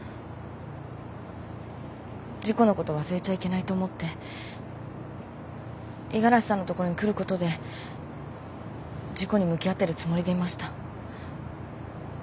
事故のこと忘れちゃいけないと思って五十嵐さんのところに来ることで事故に向き合ってるつもりでいました。